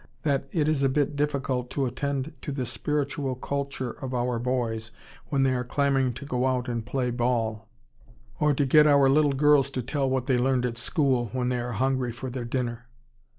that it is a bit difficult to attend to the spiritual culture of our boys when they are clamoring to go out and play ball, or to get our little girls to tell what they learned at school, when they are hungry for their dinner.